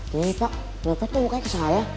nih pak nyopet kok bukannya kesalahan